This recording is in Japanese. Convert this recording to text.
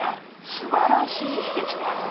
すばらしい秘けつがある。